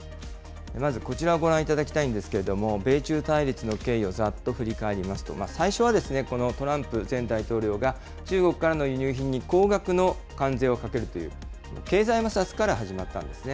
まず、こちらをご覧いただきたいんですけれども、米中対立の経緯をざっと振り返りますと、最初はこのトランプ前大統領が中国からの輸入品に高額の関税をかけるという、経済摩擦から始まったんですね。